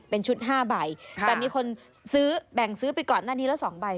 เป็นชุด๕ใบแต่มีคนซื้อแบ่งซื้อไปก่อนหน้านี้แล้ว๒ใบ